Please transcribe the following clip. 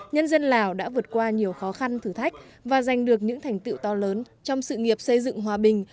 nhân dân lào đã vượt qua nhiều khó khăn thử thách và giành được những thành tựu to lớn trong sự nghiệp xây dựng hòa bình